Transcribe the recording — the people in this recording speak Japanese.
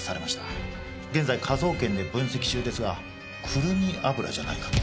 現在科捜研で分析中ですがくるみ油じゃないかと。